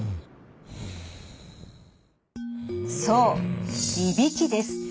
そういびきです。